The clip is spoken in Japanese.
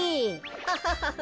ハハハハ。